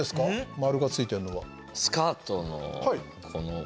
丸がついているのは。